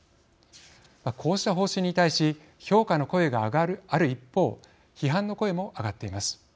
こうした方針に対し評価の声がある一方批判の声も上がっています。